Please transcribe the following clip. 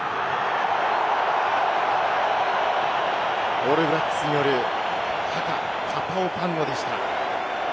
オールブラックスによるハカ、カパ・オ・パンゴでした。